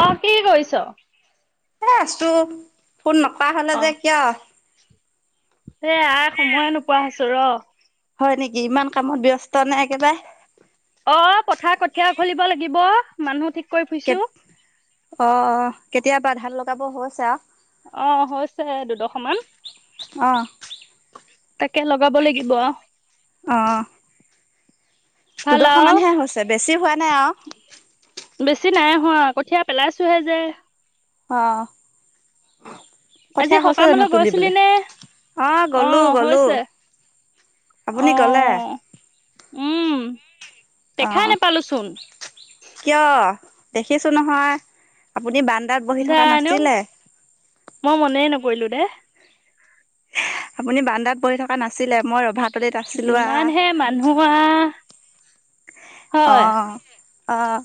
অ কি কৰিছ? এ আছো ফোন নকৰা হলে অ যে কিয়- এ আ সময়ে নোপোৱা হৈছো ৰ- হয় নেকি ইমান কামত ব্যস্ত নে একেবাৰে- অ পথাৰ কঠীয়া, উঘালিব লাগিব মানুহ ঠিক কৰি ফুৰিছো অ অ কেতিয়াবা ধান লগ যাব হৈছে আ- অ হৈছে দুডশ মান- অ তাকে লগাব লাগিব। ভাল দুদশ আৰু মানহে হৈছে বেছি হোৱা নাই অঅ বেছি নাই হোৱা কঠীয়া পেলাইছোহে যে অ আজি কঠীয়া হৈছে জানো সকামলৈ গৈছিলি তুলিবলে নে অ গ'লো গলো আপুনি অ গলে উম দেখাই আহ নোপালোচোন কিয় দেখিছো নহয় আপুনি বান জানোঁ মই মনে নকৰো কৰিলো দে আপুনি বান্দাত বহি থকা নাছিলে মই ৰভাত যিমান হে মানুহ আহ অ হয় অঁ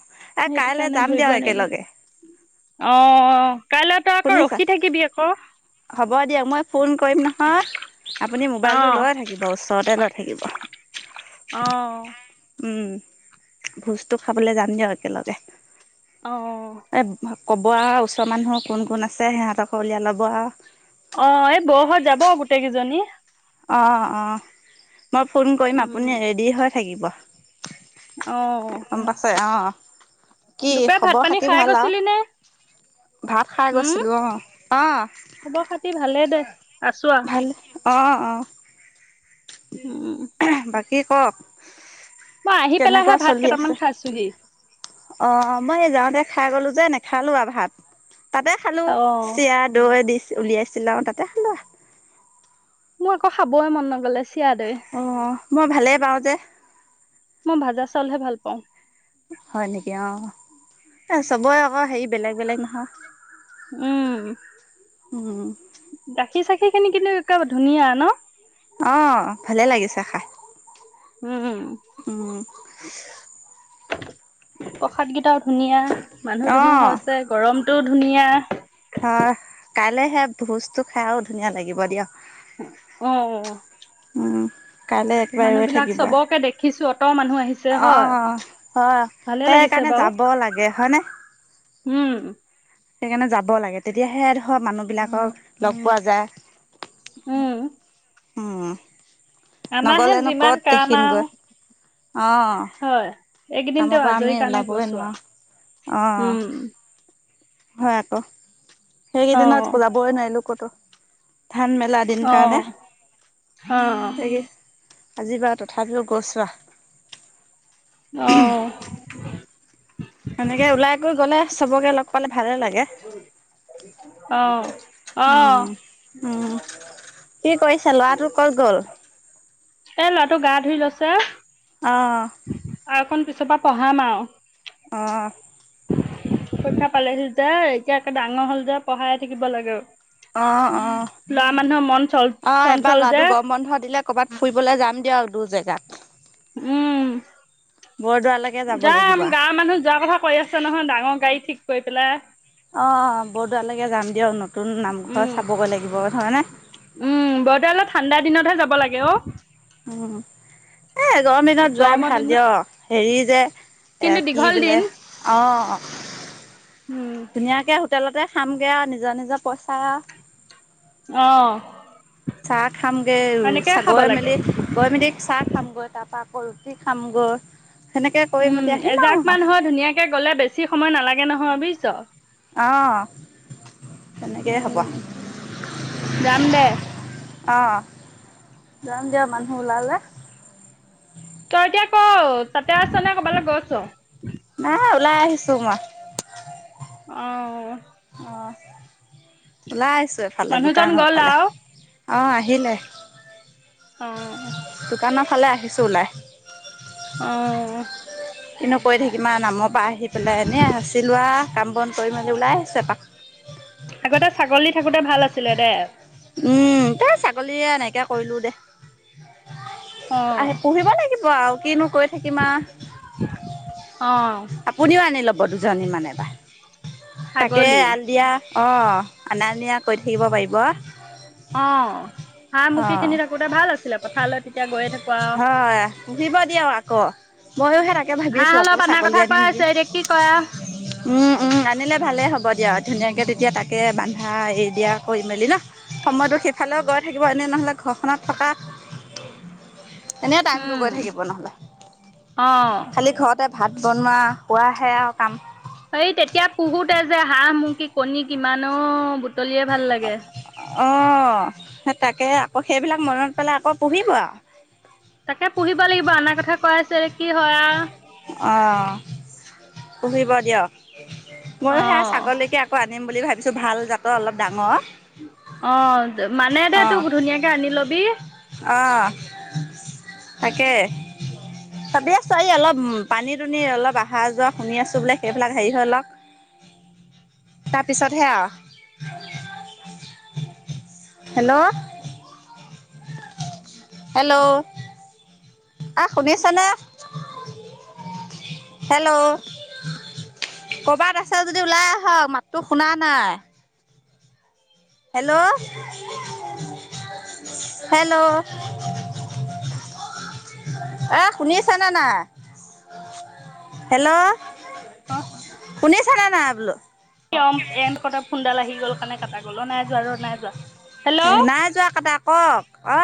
এ সেইটো কাইলে কাৰণে যাম দিয়ক ধৰিবই নোৱাৰিলো একেলগে অ কাইলৈ তই আকৌ শুনিছা ৰখি থাকিবি আকৌ। হ'ব দিয়ক মই ফোন কৰিম নহয় আপুনি মোবাইলটো অ', লৈ থাকিব ওচৰতে লৈ থাকিব। অ', উম ভোজটো খাবলৈ যাম দিয়া একেলগে। অ এ ক'ব আৰু ওচৰৰ মানুহৰ কোন কোন আছে সিহঁতক উলিয়াই লব আৰু। অ এই বও হঁত যাব গোটেই কেইজনী। অঁ অঁ মই ফোন কৰিম উম, আপুনি ৰেডি হয় থাকিব অ', গম পাইছে অ [unintelligible] কি দুপৰীয়া ভাত খবৰ পানী খাতি খাই ভাল আও গৈছিলি নে? ভাত খাই উম, গৈছিলো অ খবৰ খাতি ভালেই দে আহ আছো আৰু ভাল। [unintelligible] অ অ' উম কি কওক মই আহি পেলাইহে কেনেকুৱা ভাত কেইটামান খাইছোহি। অ মই যাওঁতে খাই গলো যে নেখালো আৰু ভাত। তাতে খালো অ'। চিৰা দৈ দিছ উলিয়াইছিল আও তাতে মোক আকৌ খাবয়ে মন নগলে চিৰা দৈ অ মই ভালেই পাওঁ যে মই ভাজা চাউলহে ভাল পাওঁ হয় নেকি অ এ চবেই আকৌ হেৰি বেলেগ বেলেগ নহয়। উম উম গাখীৰ চাখি খিনি কিন্তু এক ধুনীয়া ন? অ ভালে লাগিছে খাই। উম, উম প্ৰসাদকেইটাও ধুনীয়া মানুহ দুনুহ অঁ হৈছে গৰম। টো ধুনীয়া কাইলেহে ভোজটো খাইও ধুনীয়া লাগিব দিয়ক। অ উম কাইলৈ একেবাৰে মানুহ বিলাক চবকে দেখিছো অত মানুহ আহিছে। অ হয় অ হয় ভালে লাগিছে সেইকাৰণে বাৰু যাব লাগে হয় নে। উম সেইকাৰণে যাব লাগে তেতিয়াহে ধৰ মানুহ বিলাকক লগ পোৱা যায়। উম। উম। আমাহে নগলেনো যিমান কাম আও। অ। এইকেইদিন তেওঁ আজৰি কাৰণে গইচো আও অঁ উম। হয় আকৌ। অ সেইকেইদিনত কোলাবই নোৱাৰিলোঁ। কতো। ধান মেলা দিন অ কাৰণে অ তাকে। আজি বাৰু তথাপিও গৈ চো আও। অ। এনেকে ওলাই কৈ গ'লে। চবকে লগ পালে। ভালে লাগে উম অ অ উম কি কৰিছা? ল'ৰাটো ক'ত গ'ল? এ ল'ৰাটো গা ধুই লৈছে অ। অ। আৰু অকণ পিছ পা পঢ়াম আও। অহ। পৰীক্ষা পালেহি যে এতিয়া একে ডাঙৰ হ'ল যে পঢ়াই থাকিব লাগে। অঁ অঁ ল'ৰা মানুহ মন চন চঞ্চল যে। কবাত ফুৰিবলৈ যাম দিয়ক আৰু দুৰ জেগাত। উম। বৰদোৱালৈকে যাব লাগিব যাম গাঁৱৰ মানুহ যোৱাৰ কথা কৈ আছে নহয় ডাঙৰ গাড়ী ঠিক। কৈ পেলাই। অ বৰদোৱালেকে যাম দিয়ক ন। উম উম বৰদোৱালে ঠাণ্ডা দিনত হে। ব লাগে অ। উম। এ গৰম দিনত যোৱাই গৰমৰ ভাল দিনত দিয়। হেৰি যে। এ কিন্তু কি দীঘল বোলে দিন অ উম ধুনীয়াকে হোটেলতে। খামগে আৰু নিজৰ নিজৰ পইচা আ। অ। চাহ খামগে সেনেকে খাব চাগৈ লাগে মেলি গৈ মেলি চাহ। খামগৈ তাপা আকৌ ৰুটি খামগৈ। সেনেকে কৰি উম মেলি আহিম এজাক আৰু মান হৈ ধুনীয়াকে গ'লে বেছি সময় নালাগে- গে নহয় বুইছ। অহ তেনেকে হ'ব। উম যাম দে অ যাম দিয়া মানুহ ওলালে। তই এতিয়া ক'ত তাতে আছ নে কৰবালৈ গৈছ? নাই ওলাই আহিছোং আ। অহ। [inaudible] ওলাই আহিছো এফালে মানুহজন গ'ল দোকানৰফালে। আৰু অঁ আহিলে। অঁ। আহিছো ওলাই। কিনো কৈ থাকিম আৰু নামৰ পৰা আহি পেলাই এনেই আচিলো আও। কাম বন কৰি মেলি ওলাই আহিছো এপাক। আগতে ছাগলী থাকোঁতে ভাল আছিলে দে। উম তে ছাগলীয়ে এনেকৈ কৰিলোঁ দে। অ আহি পঢ়িব লাগিব আও কিনো কৈ থাকিম আ অ আপুনিও আনি লব। ব দুজনীমান এবা তাকে ছাগলী আলি দিয়া অ অনা নীয়া কৰি থাকিব পাৰিব। অ। হাঁহ মুকি অ' খিনি থাকোতে ভাল আছিলে পথাৰলৈ তেতিয়া গৈয়ে থাকো আও। হয় পুহিব দিয়ক আকৌ। ময়োহে তাকে ভাবি আছোঁ হাঁহ আকৌ অলপ আনাৰ ছাগলী কথা আনিম কৈ নেকি আছে এতিয়া কি কয়। উম, আনিলে ভালেই হ'ব দিয়া ধুনীয়াকৈ তেতিয়া তাকে বন্ধা এৰি দিয়া কৰি মেলি ন সময়টো সেইফালে গৈ। থাকিব এনেই নহ'লে ঘৰখনত থকা। এনে টাইমটো উম গৈ থাকিব নহলে অ খালি ঘৰতে। ভাত বনোৱা খোৱাহে আৰু কাম। এই তেতিয়া পুহোতে যে হাঁহ মুৰ্কি কণী কিমান ও বুট। তলিয়ে ভাল লাগে। অ সেই তাকে আকৌ সেইবিলাক মনত পেলাই আকৌ পুহিব আৰু। তাকে পুহিব লাগিব আনাৰ কথা কৈ আছিল কি হয় আও। অ পুহিব দিয়ক। মইয়ো সেয়া অ ছাগলকে আকৌ আন- আনিম বুলি ভাবিছোঁ ভাল জাতৰ অলপ ডাঙৰ। অ মানে দে অঁ তোক ধুনীয়াকে আনি লবি। অঁ তাকে ভাবি আছো এই অলপ। পানী দুনি অলপ অহা যোৱা শুনি আছোঁ বোলে সেইবিলাক হেৰি হৈ লওক তাৰপিছতহে আও। হেল্ল' হেল্ল' আহ শুনিছেনে? হেল্ল' কৰ'বাত আছে যদি ওলাই আহক মাতটো শুনা নাই। হেল্ল' হেল্ল' অ শুনিছনে নাই হেল্ল' ৱাহ [unintelligible] শুনিছেনে নাই বোলো এ কটা ফুন্দডাল আহি গ'ল কাৰানে কাটা গ'ল নাই যোৱাৰ নাই যোৱা হেল্ল' এ নাই অ যোৱা কাটা ক অ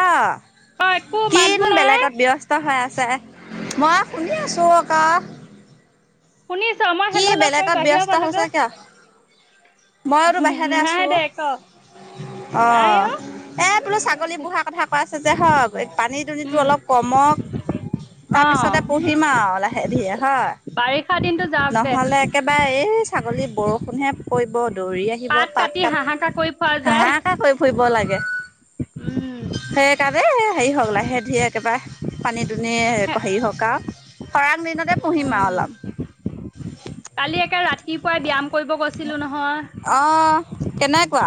একো মাত কিনো বোল নাই বেলেগত ব্যস্ত হৈ আ ছে মই শুনি আছো অ ক শুনিছ মই কি হেল্ল হেল্ল কৰি বেলেগত বাহিৰ ব্যস্ত হৈছ পালোগৈ কিয় মইওতো বাহিৰতে নাই আছো দে ক অ এ বোলো ছাগলী পোহাৰ কথা কৈ আছে যে হক পানী দুনিটো উম অলপ কমক অ তাৰপিছতে পুহিম আৰু লাহে হেৰিয়া বাৰিষা দিনতো যে নহলে একেবাৰে এই ছাগলী বৰষুণ হে পৰিব দৌৰি আহিব পাত কাটি কাত হাহাকাৰ কৰি খোৱা হাঁহ যায় কাহ কৈ ফুৰিব লাগে উম যে সেই কাৰণ এই হেৰি হওঁক লাহে দিহে একেবাৰে পানী দুনি হে হেৰি হওক আও খৰাং দিনতে পুহিম আৰু উম অলপ। কালি একে ৰাতিপুৱাই ব্যায়াম কৰিব গৈছিলোঁ নহয়। কেনেক কোৱা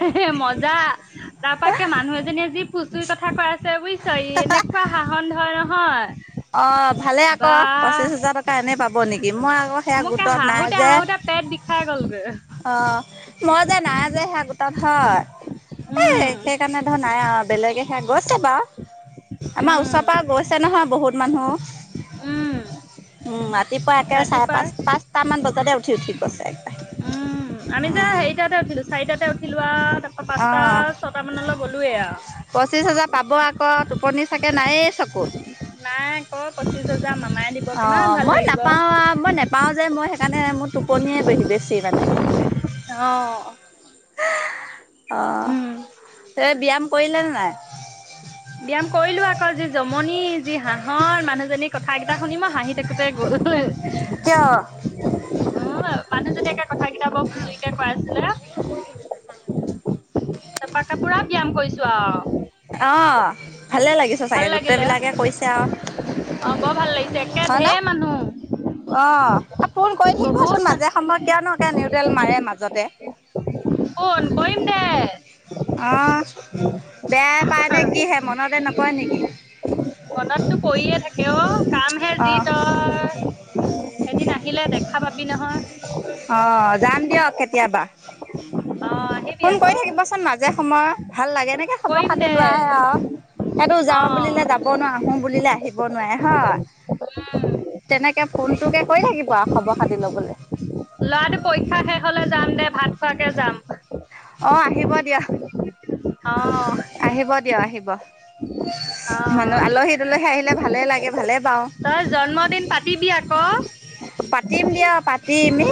হে হে মজা তাৰাপাকে মানুহ এজনীয়ে যি ফুচুৰিৰ কথা কৈ আছে বুইছ এনেকোৱা সাহন ধৰণ হয় অ ভালে আকৌ পঁচিশ হাজাৰ টকা এনে পাব। ব নেকি মই আকৌ সেয়া মোক এ গোটত নাই হাহুতে যে হাহুতে পেট বিষাই গ'লগৈ। অ', মই যায় নাই যে সেয়াতো গো হয় এ উম সেইকাৰণে ধৰ নাই আও বেলেগে হে গৈছে বাৰু আমাৰ ওচৰৰ উম পৰা গৈছে নহয় বহুত মানুহ উম উম ৰা তিপুৱা এক চাৰে ৰাতিপুৱাই পাঁচ পাঁচটামান বজা তাতে উঠি ঠিক আছে উম আমি যে হেৰিটাতে উঠিলো চাৰিটাতে উঠিলোৱাও অ পাঁচটা ছয়টা মানলৈ গ'লোয়ে আও পঁচিশ হাজাৰ পাব আকৌ টোপনি চাগে নায়েই চকুত নাই আকৌ পঁচিশ হাজাৰ মামাই দিব কিমান অঁ ভাল মই লাগিব। নাপাওঁ মই নেপাওঁ যে মই সেইকাৰণে মোৰ টোপনিয়েই বেহি বেছি মানে অ হো উম। অ ব্যায়াম কৰিলেনে নাই ব্যায়াম কৰিলো আকৌ যি জমনি যি হাঁহৰ মানুহজনী কথা কেইটা শুনি মই হাঁহি থাকোঁ তে গল কিয় অ' মানুহজনী একে কথা কেইটা বৰ ফুচুৰিকে কৈ আছিলে তাৰাপা ত পুৰা ব্যায়াম কৰিছো আও অ', ভালে লাগিছে ভাল চাগে গোটেই লাগিলে বিলাকে কৈছে আও অ' বৰ ভাল লাগিছে একে হয় নে ঢেৰ মানুহ। অ ফোন কৰি থাকিবচোন বহুত মাজে মানুহ সময়ে কিয়নো একে নিউটেল মাৰে মাজতে ফোন কৰিম দে অহ বেয়াই পায় নে কিহে মনতে নপৰে নেকি মনতটো পৰিয়ে থাকে অ কামহে যি অ', তই এদিন আহিলে দেখা পাবি নহয় উ অ' আহিবি ফোন কৰি আকৌ। থাকিবচোন মাজে যে সময় ভাল লাগে এনেকে খবৰ কৰিম খাতি দে লোৱাহে আও সেইটো অ যাওঁ উম বুলিলে যাব নোৱাৰোঁ আহো বুলিলে আহিব নোৱাৰে হয় উম এনেকে ফোনটোকে কৈ থাকিব আও খবৰ খাতি ল'বলৈ ল'ৰাটো পৰীক্ষা শেষ হলে যাম দে ভাত খোৱাকে যাম অ আহিব দিয়া অ আহিব দিয়া আহিব বা অ মানুহ আলহী দুলহী আহিলে ভালে লাগে কে ভালে পাওঁ। তই জন্মদিন পাতিবি আকৌ। পাতিম দিয়া পা। কি ইনে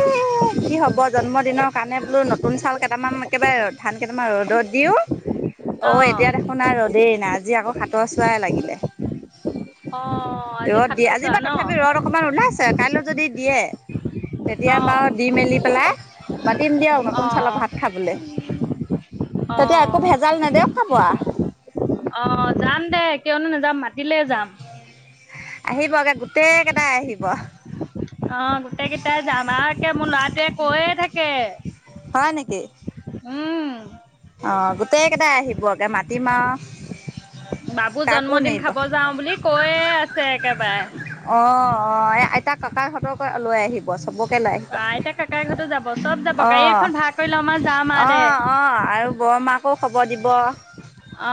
কি হ'ব জন্মদিনৰ কাৰণে বোলো নতুন চাউল কেইটামান একেবাৰে ধান কেইটামান ৰ'দত দিও। অ এতিয়া দেখোন আৰু ৰ। দেই নাই আজি আকৌ সাতৰ চোৱাই লাগিলে। অ ৰদ দি সাতৰ আজি চোৱা বাাৰ ন তথাপি ৰদ অকমান ওলাইছে। কালৈ যদি দিয়ে। তেতিয়া অ বাও দি মেলি। পেলাই। মাতিম দিয়া আৰু অ নতুন চাউৰ ভাত খাবলৈ অ তেতিয়া একো ভেজাল নেদে খাব আ। অ যাম দে কিয়নো নাযাম মা। তিলে যাম। আহিব গে গোটেই কেইটাই আহিব। অ গোটেই কেইটাই যাম আ একে মোৰ লৰাটোৱে কৈয়ে থাকে। হয় নেকি। উম। অ গোটেই কেইটাই আহিব একে মাটিম আও। বাবু জন্মদিন খাব যাওঁ বুলি কৈয়ে আছে একেবাৰে। টা ককাক সতকো লৈ আহিব চব। আইতা কাকাই সেটো যাব চব যাব গাড়ী অ', এখন ভাড়া কৰিলে আমাৰ যাম আৰ দে। বৰ মাকো খবৰ দিব।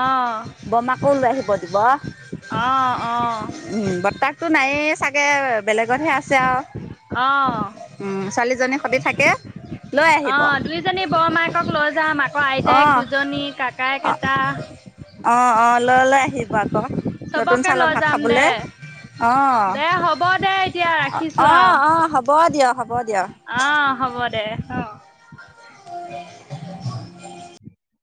অঁ বমাকো লৈ আহিব দিব অঁ অঁ উম বতাক। টো নাইয়ে চাগে। বেলেগতহে আছে আও অঁ উম ছোৱালীজনী। শুদি থাকে। লৈ অ আহিব। দুইজনী বৰ মাকক লৈ যাম আ। অ অ অ অ। ললৈ আহিব আকৌ নতুন চবকে চাউলৰ লৈ ভাত যাম দে খাবলৈ অ দে হ'ব দে এতিয়া ৰাখিছোঁ অ আৰু অ হ'ব দিয় হ'ব দিয়। অ। [unintelligible]